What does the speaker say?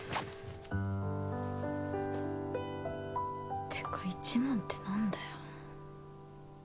ってか１万ってなんだよ。